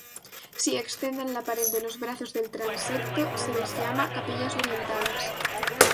Si exceden la pared de los brazos del transepto, se les llama capillas orientadas.